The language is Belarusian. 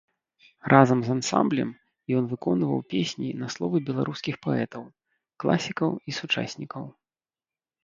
Разам з ансамблем ён выконваў песні на словы беларускіх паэтаў, класікаў і сучаснікаў.